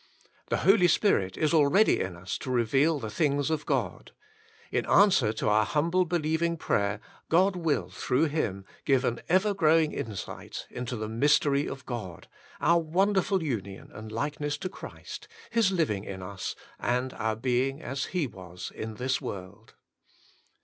^' The Holy Spirit is already in us to reveal the things of God. In answer to our humble believing prayer God will, through Him, give an evergrowing insight into the mystery of God — our wonderful union and likeness to Christ, His living in us, and our being as He was in this world.